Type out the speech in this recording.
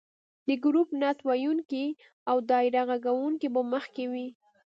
د ګروپ نعت ویونکي او دایره غږونکې به مخکې وي.